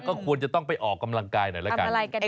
ก็ควรจะต้องไปออกกำลังกายหน่อยละกัน